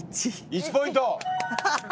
１ポイント！